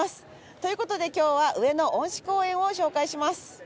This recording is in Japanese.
という事で今日は上野恩賜公園を紹介します。